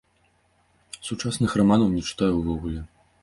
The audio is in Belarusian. Сучасных раманаў не чытаю ўвогуле.